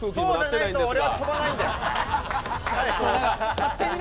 そうじゃないと、俺は飛ばないんで。